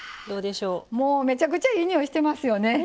もう、めちゃくちゃいい匂いしてますよね。